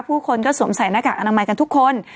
ผู้คนก็สวมใส่หน้ากากอนามัยกันทุกคน